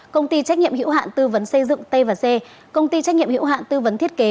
công ty trách nhiệm hiệu hạn tư vấn xây dựng t c công ty trách nhiệm hiệu hạn tư vấn thiết kế